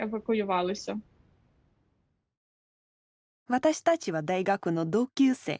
私たちは大学の同級生。